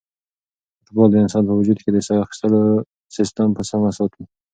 فوټبال د انسان په وجود کې د ساه اخیستلو سیسټم په سمه ساتي.